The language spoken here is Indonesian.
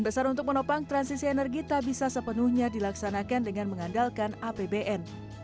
besar untuk menopang transisi energi tak bisa sepenuhnya dilaksanakan dengan mengandalkan apbn